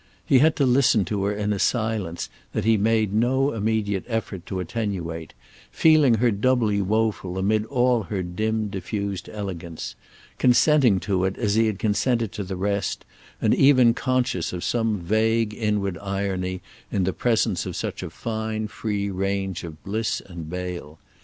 He had to listen to her in a silence that he made no immediate effort to attenuate, feeling her doubly woeful amid all her dim diffused elegance; consenting to it as he had consented to the rest, and even conscious of some vague inward irony in the presence of such a fine free range of bliss and bale.